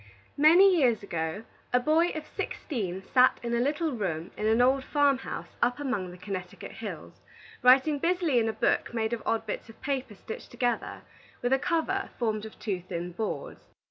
Many years ago, a boy of sixteen sat in a little room in an old farm house up among the Connecticut hills, writing busily in a book made of odd bits of paper stitched together, with a cover formed of two thin boards.